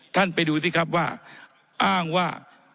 ท่านไปดูสิครับว่าอ้างว่า